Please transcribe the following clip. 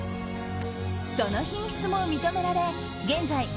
その品質も認められ現在